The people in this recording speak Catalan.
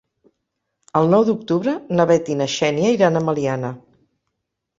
El nou d'octubre na Bet i na Xènia iran a Meliana.